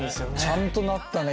ちゃんとなったね